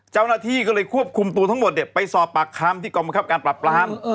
เจ้าหน้าที่ก็เลยควบคุมตัวทั้งหมดเนี่ยไปสอบปากคล้ำที่กองบังคับการปรับปร้ำ